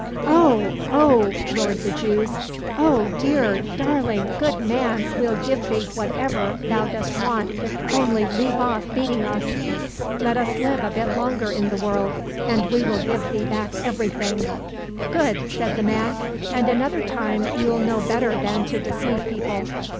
—" Oh, oh !" roared the Jews ;" oh, dear, darling, good man, we'll give thee whatever thou dost want, only leave off beating us ! Let us live a bit longer in the world, and we will give thee back everything." —" Good !" said the man, " and another time you'll know better than to deceive people."